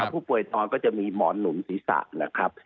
ผู้ป่วยนอนก็จะมีหมอนหนุนศีรษะนะครับ